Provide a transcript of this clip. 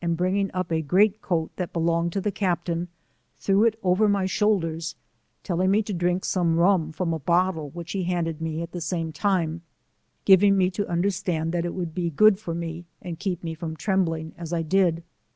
bringing up a great coat that belonged to the captain, threw it over my shoulders, telling me to drink some rum from a bottle v^hich he D 3 82 handed me, at the same time giving me to under stand that it would be good for me, and keep me from trembling as I did.